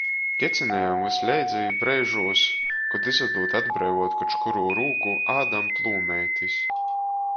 Kecinejam vysleidza i breižūs, kod izadūd atbreivēt koč kurū rūku, ādam plūmeitis.